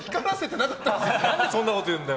何でそんなこと言うんだよ。